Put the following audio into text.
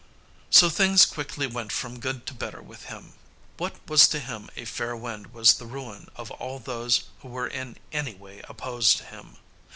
So things quickly went from good to better with him. What was to him a fair wind was the ruin of all those who were in any way opposed to him.